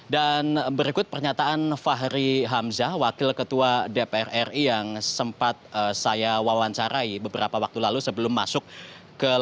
dan berikut pernyataan fahri hamzah wakil ketua dpr ri yang sempat saya wawancarai beberapa waktu lalu sebelum masuk ke lapas suka miskin